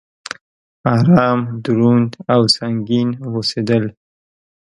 ارام، دروند او سنګين اوسيدل